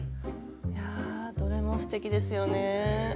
いやどれもすてきですよね！